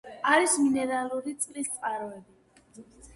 არის მინერალური წყლის წყაროები.